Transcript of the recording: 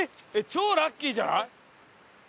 超ラッキーじゃない？